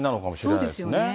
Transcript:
そうですよね。